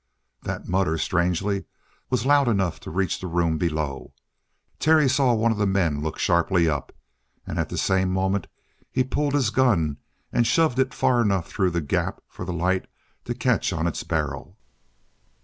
That mutter, strangely, was loud enough to reach to the room below. Terry saw one of the men look up sharply, and at the same moment he pulled his gun and shoved it far enough through the gap for the light to catch on its barrel.